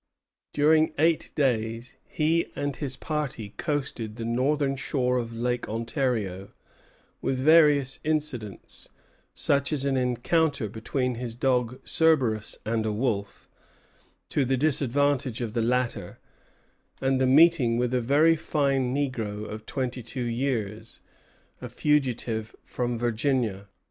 During eight days he and his party coasted the northern shore of Lake Ontario, with various incidents, such as an encounter between his dog Cerberus and a wolf, to the disadvantage of the latter, and the meeting with "a very fine negro of twenty two years, a fugitive from Virginia."